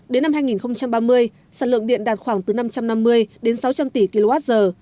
đến năm hai nghìn ba mươi sản lượng điện đạt khoảng từ năm trăm năm mươi đến sáu trăm linh tỷ kwh